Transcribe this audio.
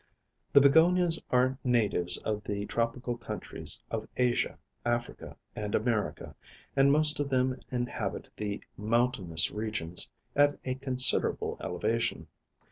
The Begonias are natives of the tropical countries of Asia, Africa, and America, and most of them inhabit the mountainous regions at a considerable elevation.